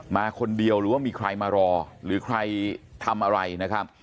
มาคนเดียวหรือว่ามีใครมารอหรือใครทำอะไรนะครับ